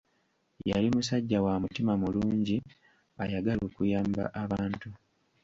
Yali musajja wa mutima mulungi, ayagala okuyamba abantu!